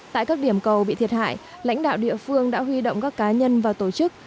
tại các điểm cầu bị thiệt hại lãnh đạo địa phương đã huy động các cá nhân và tổ chức